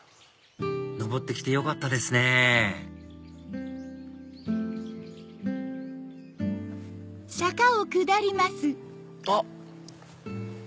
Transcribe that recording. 上ってきてよかったですねあっ！